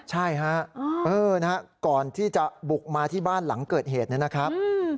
ใช่ฮะก่อนที่จะบุกมาที่บ้านหลังเกิดเหตุนะครับ